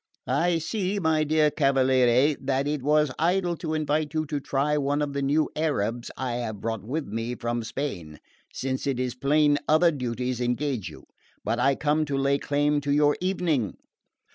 "I see, my dear cavaliere, that it were idle to invite you to try one of the new Arabs I have brought with me from Spain, since it is plain other duties engage you; but I come to lay claim to your evening."